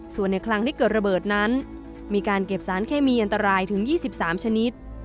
ส่วนในครั้งที่เกิดระเบิดนั้นมีการเก็บสารเคมีอันตรายถึง๒๓ชนิด